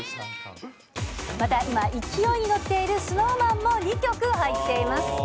また今、勢いに乗っているＳｎｏｗＭａｎも２曲入っています。